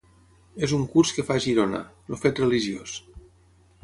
És un curs que fa a Girona: “El fet religiós”.